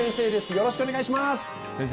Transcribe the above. よろしくお願いします先生